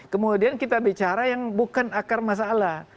kemudian kita bicara yang bukan akar masalah